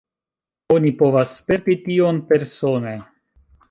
Oni povas sperti tion persone.